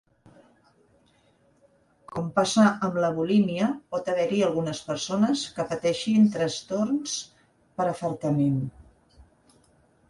Com passa amb la bulímia, pot haver-hi algunes persones que pateixin trastorn per afartament.